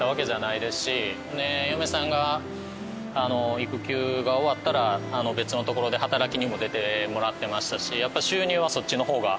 嫁さんが育休が終わったら別のところで働きにも出てもらってましたし。